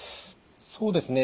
そうですね